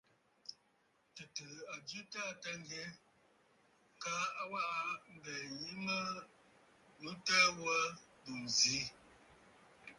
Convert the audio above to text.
Tɨ̀tɨ̀ɨ̀ a jɨ a Taà Tâŋgyɛ kaa a waʼa mbɛ̀ɛ̀ yìi mə yu təə ghu aa bù ǹzi.